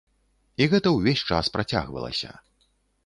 І гэта ўвесь час працягвалася.